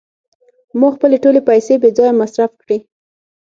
ما خپلې ټولې پیسې بې ځایه مصرف کړې.